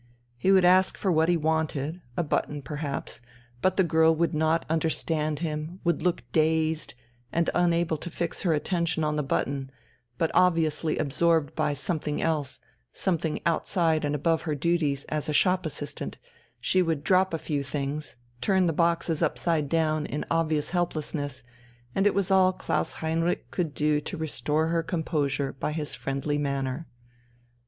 He would ask for what he wanted, a button perhaps, but the girl would not understand him, would look dazed, and unable to fix her attention on the button, but obviously absorbed by something else something outside and above her duties as a shop assistant she would drop a few things, turn the boxes upside down in obvious helplessness, and it was all Klaus Heinrich could do to restore her composure by his friendly manner.